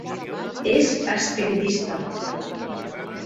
És espiritista.